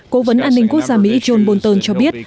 cố vấn an ninh quốc gia mỹ john bolton cho biết